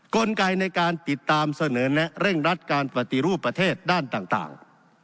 กลไกในการติดตามเสนอแนะเร่งรัดการปฏิรูปประเทศด้านต่าง